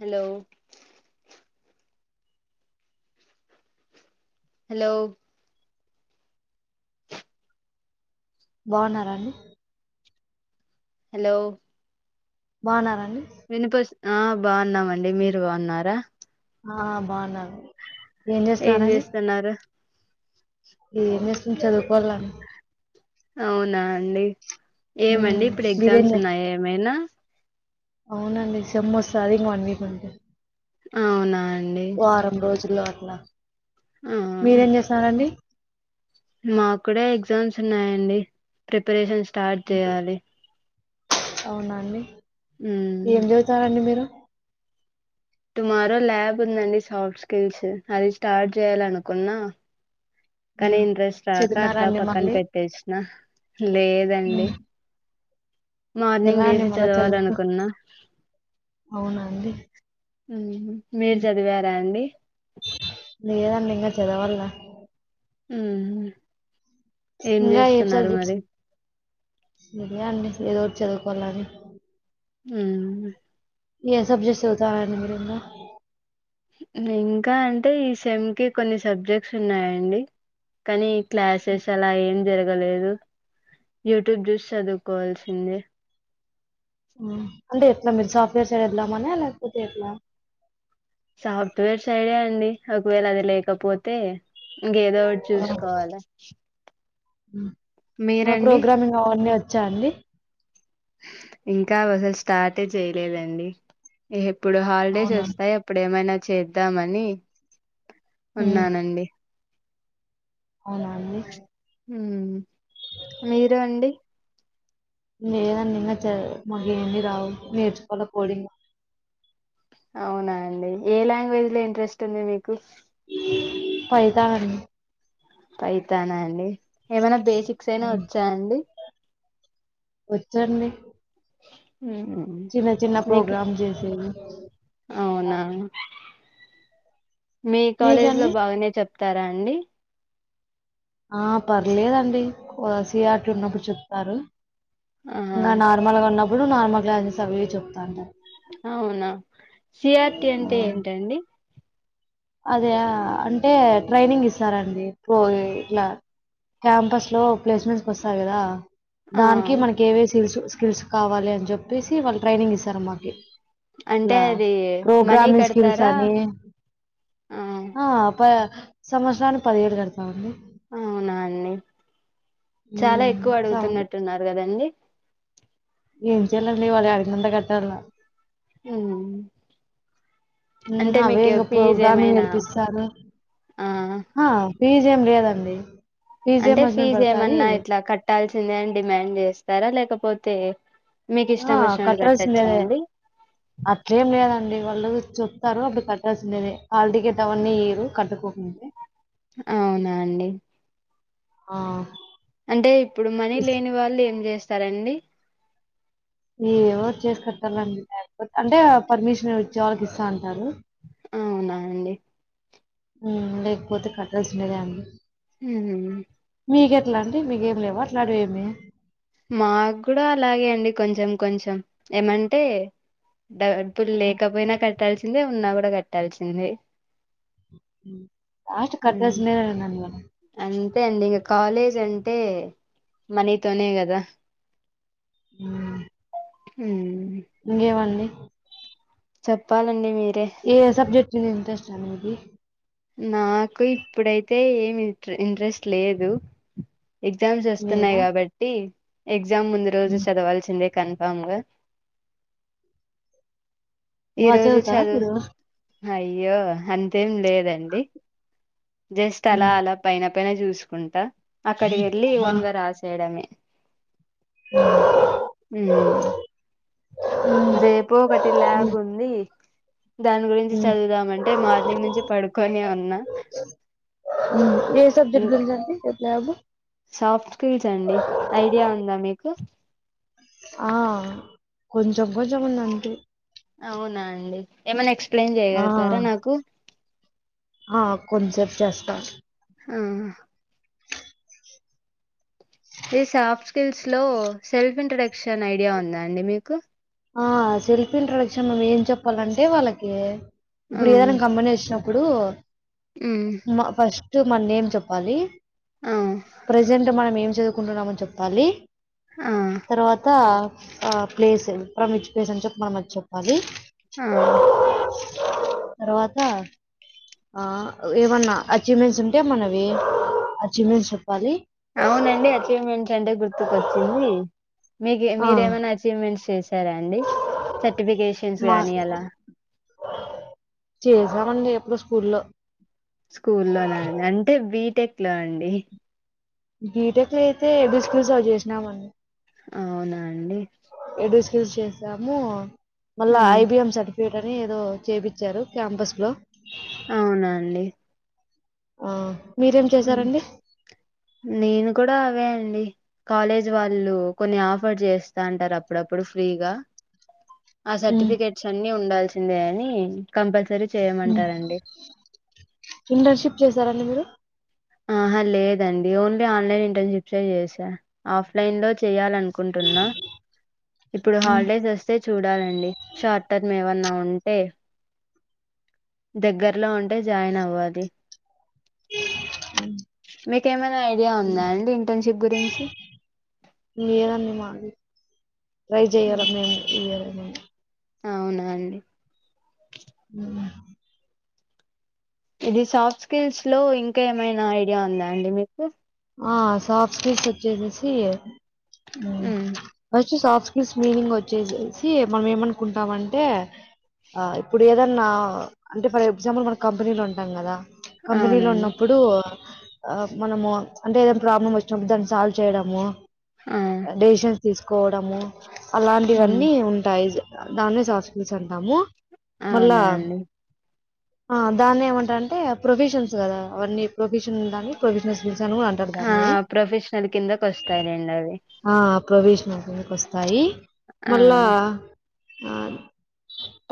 Hello hello బాగున్నారా అండి hello బాగునారా వినిపిస్ ఆ బాగున్నామండి మీరు బాగున్నారా ఆ బాగున ఏం చేస్తున్నారు ఏ చేస్తాం చదువుకోవాలి అవునా అండి ఉమ్, ఏమండి ఇప్పుడు మీరేం ఎగ్జామ్స్ చే- ఉన్నాయా ఏమైనా అవునండి సేమ్ వస్తుది ఇంక వన్ వీక్ ఉంటే అవునా అండి వారం రోజుల్లో అట్లా ఆ మీరేం చేస్తన్నారు అండి మాకూడా ఎగ్జామ్స్ ఉన్నాయంండి ప్రిపరేషన్స్ స్టార్ట్ చేయాలి అవునాండి ఉమ్ ఏం చదుతారంండి మీరు టుమారో ల్యాబ్ ఉందండి సాఫ్ట్ స్కిల్స్ అది స్టార్ట్ చేయాలనుకున్నా కానీ ఉమ్, ఇంట్రెస్ట్ రాక అట్లా చదివినారండి పక్కన మళ్ళీ పెట్టేసిన లేదండి ఉమ్, మార్నింగ్ ఎలా అండి లేసి మళ్ళీ చదువుకు చదవాలనుకున్నా అవునా అండి హ మీరు ఉమ్, చదివారా అండి లేదండి ఇంకా చదవాల ఆ ఏం చేస్తున్నారు మరి సరే అండి ఏదో ఒకటి చదువుకోవాలని అ ఏ సబ్జెక్ట్స్ చదువుతారు అండి మీరు ఇంకా ఇంకా అంటే ఈ సెమ్కి కొన్ని సబ్జెక్ట్స్ ఉన్నాయండి కానీ క్లాసెస్ అలా ఏం జరగలేదు యూట్యూబ్ చూసి చదువుకోవాల్సిందే ఉ అంటే ఎట్లా మీరు సాఫ్ట్వేర్ సైడ్ ఎల్దమన లేకపోతే ఎట్లా సాఫ్ట్వేర్ సైడే అండి ఒకవేళ అది లేకపోతే ఇంకేదో ఒకటి చూసుకోవాలి మ మీరండి ప్రోగ్రామింగ్ అవన్నీ వ వచ్చా అండి ఇంకా అవసలు స్టార్టే చేయలేదండి ఇప్పుడు హాలిడేస్ అవునా వస్తాయ్ అప్పుడు ఏమైనా చేద్దామని మ్ ఉన్నానండి అవునా అండి హుమ్ మీరు అండి లేదండీ ఇంగా చ మాకేంది రావు నేర్చుకోల కోడింగ్ అవునా అండి ఏ లాంగ్వేజ్ లో ఇంట్రెస్ట్ ఉంది మీకు పైథాన్ పైతానా అండి ఏమైనా బేసిక్స్ అయినా ఉమ్. వచ్చా అండి వచ్చండి హుమ్ చిన్న చిన్న మీకు ప్రోగ్రామ్ చేసేది అవునా మీ కాలేజ్ లో మీకండి బాగానే చెప్ చెతరా అండి ఆ పర్లేదండి సిఆర్టీ ఉన్నప్పుడు చెప్పారు ఆ ఇంగ నార్మల్గా ఉన్న ఎప్పుడు నార్మల్ క్లాసెస్ అవే చెప్తుంటారు అవునా సిఆర్టి అంటే ఏంటండి అదా అంటే ట్రైనింగ్ ఇస్తారండి పో ఇట్లా క్యాంపస్ లో ప్లేస్మెంట్స్ వస్తాయి గదా ఆ దానికి మనకి ఏవేవి స్కిల్స్ వచ్చు స్కిల్స్ కావాలి అని చెప్పేసి వాళ్ళు ట్రైనింగ్ ఇస్తారు మాకి అంటే అట్లా అది మనీ ప్రోగ్రామింగ్ స్కిల్స్ కడతారా అని ఆ ప సంవత్సరానికి పదివేలు కడతామండి అవునా అండి చాలా ఉమ్ ఎక్కువ సం అడుగుతున్నట్టున్నారు కదండి ఏం చేయ్యాలండి వాళ్ళు ఆడిగినంత కట్టాల హుమ్ ఉమ్ అంటే అవే మీకు ఏ ఇంగ ఫీజ్ ప్రోగ్రామింగ్ ఏమైనా నేర్పిస్తారు ఆ ఆ ఫీజ్ ఏం లేదండి ఫీజ్ ఏం అంటే హస్బెండ్ ఫీజ్ పడతాది ఏమన్నా ఇట్లా కట్టాల్సిందే అని డిమాండ్ చేస్తారా లేకపో తే ఆ కట్టాల్సింలేదే అట్లేం లేదండి వాళ్ళు చెప్తారు అప్పుడు కట్టాల్సిండేదే హల్టికెట్ అవన్నీ ఏయరు కట్టుకో పిజే అవునా అండి ఆ అంటే ఇప్పుడు మనీ లేని వాళ్ళు ఏం చేస్త స్తారండి ఏవోటి చేసీ కట్టాలండి లేకపో అంటే పర్మిషన్ ఇచ్చే వాళ్ళకి ఇస్తా ఉంటారు అవునా అండి ఉం లేకపోతే కట్టల్సిందే గా అండి ఉహు హుం మీకెట్లా అండి మీకేం లేవ అట్లాటి ఏమి మాకు కూడా అలాగే అండి కొంచెం కొంచెం ఏమంటే డా బ్బుల్ లేకపోయినా క కట్టాల్సిందే ఉన్నా కూడా కట్టాల్సిందే ఉమ్ స్ట్ కట్టల్సిందే [unintelligible] అంతే అండి ఇగ కాలేజ్ అంటే మనీతోనే కదా ఉమ్ ఇంగే వండి చెప్పాలండి మీ ఏ సబ్జెక్ట్ మీద ఇంట్రెస్ స్టండి నాకు ఇప్పుడైతే ఏమి ఇంట్రె ఇంట్రెస్ట్ లేదు ఎగ్జామ్స్ వస్తున్నాయి లేదా కాబట్టి ఎగ్జ గ్జామ్ ముందు రోజు ఉమ్, చదవాల్సిందే కన్ఫామ్ంగా బాచదువుతార మీరు అయ్యో అంతేం లేద ండి జస్ట్ అలా ఉమ్, అలా పైన నా చూసుకుంటా క్కడి ఎళ్లి ఒన్గా రాసేయడమే ఉమ్ అ రేపు ఒకటి ల్యాబ్ ఉంది దాని గురించి ఉమ్, చదువుదామంటే మార్నింగ్ నుంచి పడుకొని ఉన్నా ఉమ్. ఏ సబ్జెక్ట్ ఇంక్ గురించి అండి రేపు ల్యాబ్ సాఫ్ట్ స్కిల్స్ అండి ఐడియా ఉందా మీకు ఆ కొంచెం కొంచెం ఉందంటే అవునా అండి ఏమన్నా ఎక్స్ ఆ ఆ కొంచసెప్ చేస్తా ఆ ఇ సాఫ్ట్ స్కిల్స్ లో సెల్ఫ్ ఇంట్రర్డ క్షన్ ఐడియా ఉందా అండి మీకు ఆ సెల్ఫీ ఇంట్రొడక్షన్ మేం ఏం చెప్పాలంటే వాళ్ళకి ఆ ఇప్పుడు ఏదన్న గమనించ ఇప్పుడు ఉమ్ మా ఫస్ట్ ఫస్ట్ మన నేమ్ చెప్పాలి ఆ ప్రెజెంట్ మనం ఏమ్ చదువు కుంటున్నామని చెప్పాలి ఆ తర్వాత ఆ ప్లేస్ అప్పుం ఇచ్చి పేస్ అని చెప్ప మనం మచ్చి చెప్పాలి [unintelligible] ఆ తర్వాత ఆ ఏమన్నా అచీవ్మెంట్స్ ఉంటే మనవి అచీవ్మెంట్స్ చెప్పాలి అవునండి అచీవ్మెంట్స్ అంటే గుర్తుకొచ్చింది మీకు ఆ మీరేమైనా అచీవ్మెంట్స్ చేస్ సరే అండి సర్టిఫికేషన్స్ మా గానీ అలా నుండి ఎప్పుడో స్కూల్ల్లో స్కూల్లోన అంటే వీ బి టెక్ట్లా అండి బీటెక్ లో అయితే ఏడు స్కిల్స్ ఆవి చేసినామన్న అవునా అండి యూస్ చేసాము మళ్ళ ఉమ్ ఐబిఎం సర్టిఫికేట్ ని [unintelligible] ఏదో చేపిచ్చారు క్యాంపస్ లో అవునాండి ఆ మీరేం అ చేశారండి నేను కూడా అవే అండి కాలేజ్ వాళ్ళు కొన్ని ఆఫర్ చేస్తా అంటారు అప్పుడప్పుడు ఫ్రీగా ఆ సర్టిఫికేట్స్ అన్ని ఉండల్స్ సిందే అని కంపల్సరీ ఉ చేయమంటారండి ఇంటర్షిప్ చేసారండి మీరు ఆహా లేదండి ఓన్లీ ఆన్లైన్ ఇంటర్న్షిప్స్సే చేసా, ఆఫ్లైన్ లో చేయాలనుకుంటున్నా ఇప్పుడు హాలిడేస్ వస్తే చూడాలండి. షార్ట్ టర్మ్ ఏవన్నా ఉంటే దగ్గరలో ఉంటే జాయిన్ అవ్వాలి. మీకేమన్ ఐడియా ఉందా అండి ఫ్రెండ్షిప్ గురించి లేదండి మాది ట్రై చేయాలా మేము ఇయాల ఉ అ అవునా అండి ఉ మ ఇది సాఫ్ట్ స్కిల్స్ లో ఇంకేమైనా ఐడియా ఉందా అండి మీకు ఆ సఫ్ స్కిల్స్ వచ్చేసేసి ము ఉమ్ అజ్ సాఫ్ట్ స్కిల్స్ మీనింగ్ వచ్చేసేసి మనం ఏమనుకుంటాం అంటే ఇప్పుడు ఏదన్నా అంటే ఫర్ ఎగ్జాంపుల్ మన కంపెనీలో ఉంటాం కదా. కంపెనీలో అవునండి ఉన్నప్పుడు ఆ మనము అంటే ఏదైనా ప్రాబ్లం వచ్చినప్పుడు దాన్ని సాల్వ్ చేయడము. ఆ డెసన్ తీసుకోవడము అలాంటి ఉమ్ వన్నీ ఉంటాయిజ్ దాన్నే సాఫ్స్ స్కిల్స్ అం రాము మల్లా అవునా అండి ఆ దాన్ని ఏమంటారంటే ప్రొవిషన్స్ కదా అవన్నీ ప్రొవిషన్ దాన్ని ప్రొవిషన్స్ ఆ ప్రొఫెషనల్ కిందకు వస్తదండి అది ప్రొఫీసినల్ కిందికొస్తాయి ఆ మళ్ళా ఆ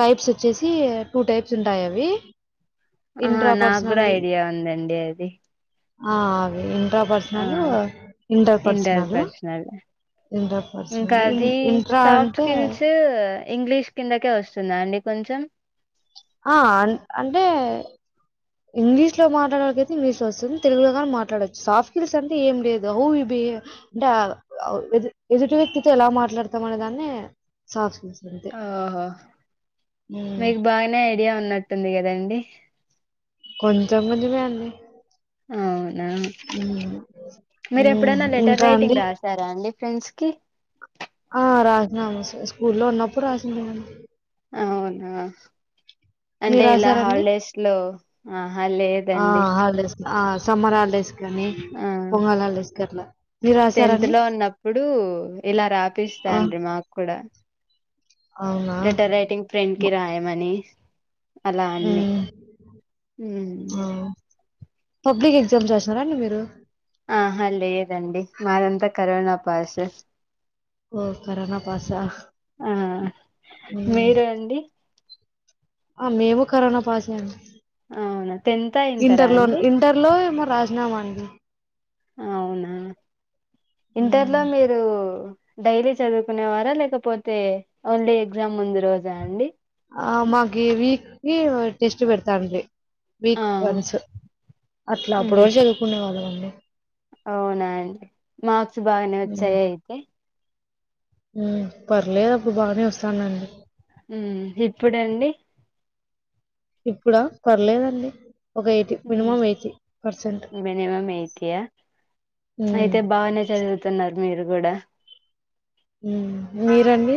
టైప్స్ వచ్చేసి టూ టైప్స్ ఉంటాయి అవి ఆ ఇంట్రా నాకు కూడా పర్సనల్ ఐడియా ఉందండి అది ఆ ఉమ్ ట ఆ పర్సనలు ఇంటర్ పర్సనలు ఇంకాది సాఫ్ట్ అంటే స్కిల్సు ఇంగ్లీష్ కిందకే వస్తుందా అండి కొంచెం ఆ అంటే ఇంగ్లీష్ లో మాట్లాడే వాళ్ళకైతే ఇంగ్లీష్ లో వస్తుంది తెలుగులో కాని మాట్లాడచ్చు సాఫ్ట్ స్కిల్స్ అంటే ఏం లేదు హౌ బి ద అ అ ఎదుటి వ్యక్తితో ఎలా మాట్లాడతాం అనే దాన్ని సాఫ్ట్ స్కిల్స్ అంతే ఓహో ఉమ్, మీకు బానే ఐడియా ఉన్నట్టుంది కదా అండి కొంచెం కొంచం యే అండి అవునా ఉమ్, మీరు ఉమ్, ఎప్పుడైనా లెటర్ ఇంకా రైటింగ్ అండి రాసారా అండి ఫ్రెండ్స్ కి ఆ రాసినాము స్కూల్లో ఉన్నప్పుడు రాస్నాను అవునా మీరు అంటే ఇలా రాసారండి? హాలిడేస్ లో ఆహా ఆ! లేదండి హాలిడేస్ ఆ సమ్మర్ హాలిడేస్ కానీ, ఆ పొంగల్ హాలిడేస్ కట్లా. మీరు టెన్త్ రాసారండి? లో ఉన్నప్పుడు ఇలా ఆ! రాపిస్తాండ్రి మాకూడా అవునా? లెటర్ రాయిటింగ్ ఫ్రెండ్ కి రాయమని అలా అన్నీ హ్మ్. ఉమ్ ఆ! పబ్లిక్ ఎగ్జామ్స్ రాసినారా అండి మీరు ఆహా లేదండి మాదంతా కరోనా పాసు ఓ కరనా పాసా ఆ హ్మ్. మీరు అండి ఆ మేము కరోనా పాసే అండి అవునా టెన్త్ ఇంటరా ఇంటర్ లో అండి ఇంటర్ లో మా రా నా మాంగి అవునా ఇంటర్లో హ్మ్. మీరు డైలీ చదువుకునేవారా లేకపోతే ఓన్లీ ఎగ్జామ్ ముందు రోజా అండి ఆ మాకి వీక్లీ ఓ టెస్ట్ పెడతాంట్రి వీక్ ఆ ఫ్రెండ్స్ అట్లా ఉహు అప్పుడే చదువుకునే వాళ్ళం అ అవునా అండి మార్క్స్ బాగానే వచ్చాయ హ్మ్. అయితే పర్లేదు అప్పుడు బానే వస్తాండాండి ఉమ్ ఇప్పుడండి ఇప్పుడా పర్లేదండి ఒక మ్ మినిమమ్ మినిమమ్ ఎయిటి యా హ్మ్. అయితే బానే చదువుతున్నారు మీరు కూడా మ్ మీరండి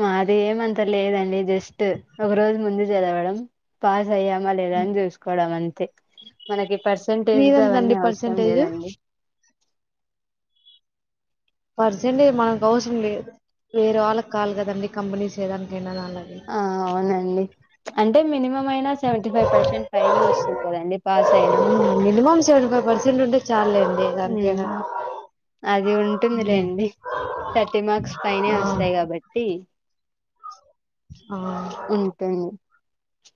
మాది ఏమంతా లేదండి జస్ట్ ఒక రోజు ముందు చదవడం పాస్ అయ్యామా లేదా హ్మ్. అని చూసుకోవడం అంతే మనకి పర్సంటేజ్ మీదెంతండి అవన్నీ అవసరం పర్సెంటేజు? లేదండి పర్సెంటేజ్ మనకు అవసరం లేదు వేరే వాళ్ళకి కాలి కదండి కంపెనీస్ ఏదానికైనా అల ఆ అవునం అంటే మినిమం అయినా సెవెీ ఫైవ్ పర్సెంట్ ఫైనే వస్తుంది కదండి పాస్ అయినా చాలు అది ఉంటుంది హ్మ్. రండి థర్టీ మార్క్స్ పైనే ఆ! వస్తాయి కాబట్టి ఆ ఉంటుంది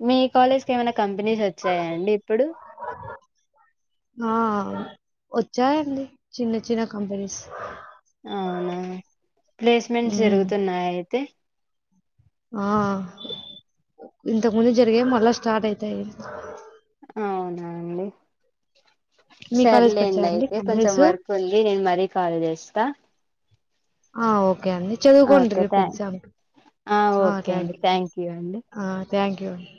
మీ కాలేజ్ క ఏమైనా కంపెనీస్ వచ్చాయా అండి ఇప్పుడు ఆ వచ్చాయండి చిన్న చిన్న కంపెనీస్ అవునా ప్లేస్మెంట్ హ్మ్. జరుగుతున్నాయి అయితే ఆ ఇంతకు ముందు జరిగాే మళ్ళా స్టార్ట్ అయితాయి అవునానండి మీ కాలేజ్కి సర్లేండి వచ్చాయా అండి అయితే కొంచెం కంపెనీస్ వర్క్ ఉంది నేను మరీ కాల్ చేస్తా ఆ ఓకే అండి చదువుకోండి ఓకే రేపు థ్యాంక్ ఎగ్జామ్కి ఓకే అండి థ్యాంక్ యూ అండి ఆ థ్యాంక్ యూ అండి